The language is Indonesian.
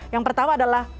yang pertama adalah